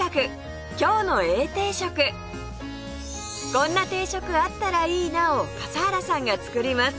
「こんな定食あったらいいな」を笠原さんが作ります